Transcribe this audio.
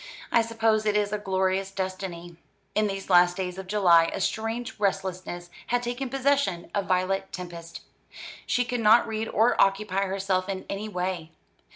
I suppose it is a glorious destiny." In these last days of July a strange restlessness had taken possession of Violet Tempest. She could not read or occupy herself in any way.